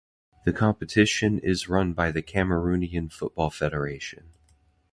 The competition is run by the Cameroonian Football Federation.